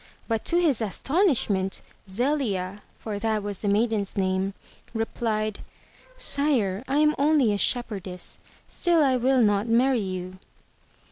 But to his astonishment, Zelia — for that was the maiden's name — replied: "Sire, I am only a shepherdess, still I will not marry you."